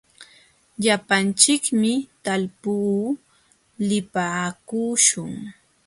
Llapanchikmi talpuu lipaakuśhun.